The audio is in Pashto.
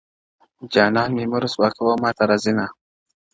• جانان مي مه رسوا کوه ماته راځینه,